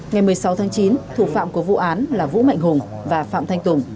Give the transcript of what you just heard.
ngày một mươi sáu tháng chín thủ phạm của vụ án là vũ mạnh hùng và phạm thanh tùng